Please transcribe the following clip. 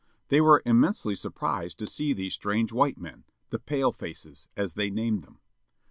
They were immensely surprised to see these strange white men â the "pale faces," as they named them.